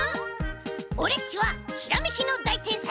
オレっちはひらめきのだいてんさい！